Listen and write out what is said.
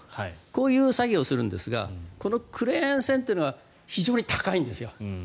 こういう作業をするんですがこのクレーン船というのは非常に高いんですよ。